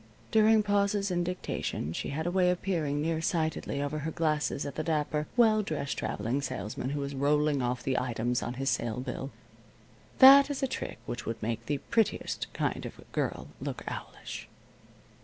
During pauses in dictation she had a way of peering near sightedly, over her glasses at the dapper, well dressed traveling salesman who was rolling off the items on his sale bill. That is a trick which would make the prettiest kind of a girl look owlish.